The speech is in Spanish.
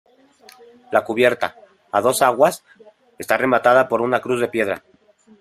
La cubierta, a dos aguas, está rematada por una cruz de piedra.